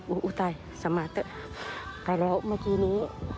โอ้โฮตายตายแล้วเมื่อกี้นี้